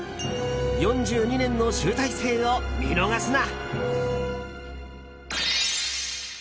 ４２年の集大成を見逃すな！